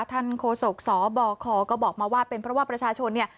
โฆษกสบคก็บอกมาว่าเป็นเพราะว่าประชาชนเนี่ย